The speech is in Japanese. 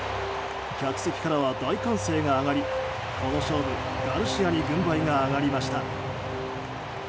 客席からは大歓声が上がりこの勝負ガルシアに軍配が上がりました。